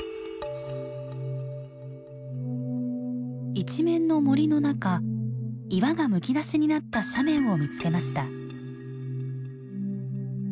一面の森の中岩がむき出しになった斜面を見つけました。